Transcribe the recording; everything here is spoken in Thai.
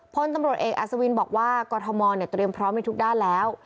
พลตำรวจเอกอัศวินบอกว่ากรทมเตรียมพร้อมในทุกด้านแล้ว